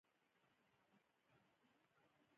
افغانستان په زردالو باندې تکیه لري.